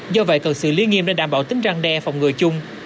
do vậy cần sự lý nghiêm để đảm bảo tính răng đe phòng người chung